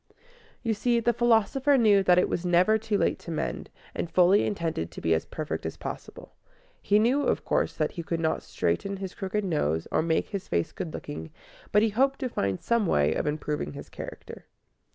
You see, the philosopher knew that it was never too late to mend, and fully intended to be as perfect as possible. He knew, of course, that he could not straighten his crooked nose or make his face good looking, but he hoped to find some way of improving his character.